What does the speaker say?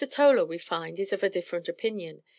Toler, we find, is of a different opinion.